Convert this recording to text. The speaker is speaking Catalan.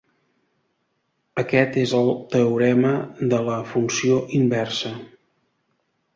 Aquest és el teorema de la funció inversa.